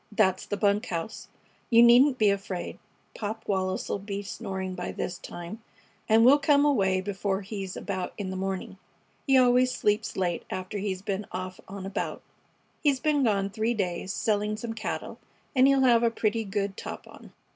"That's the bunk house. You needn't be afraid. Pop Wallis 'll be snoring by this time, and we'll come away before he's about in the morning. He always sleeps late after he's been off on a bout. He's been gone three days, selling some cattle, and he'll have a pretty good top on."